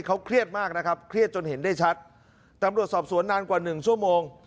เขาเครียดมากนะครับเครียดจนเห็นได้ชัดตำรวจสอบสวนนานกว่าหนึ่งชั่วโมง